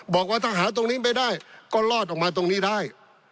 บอกว่าถ้าหาตรงนี้ไม่ได้ก็รอดออกมาตรงนี้ได้